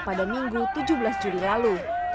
pada minggu tujuh belas juli lalu